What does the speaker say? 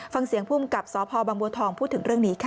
ฟังเสียงภูมิกับสพบังบัวทองพูดถึงเรื่องนี้ค่ะ